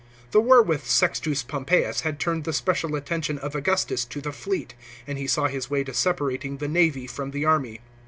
The war with Sextus Pompeius had turned the special attention of Augustus to the fleet, and he saw his way to separating the navy from the army.